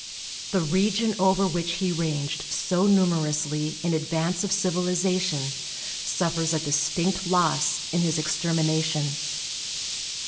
The region over which he ranged so numerously in advance of civilization, suffers a distinct loss in his extermination.